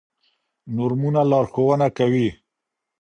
نورمونه لارښوونه کوي.